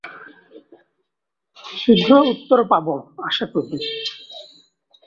শীঘ্র উত্তর পাব, আশা করি।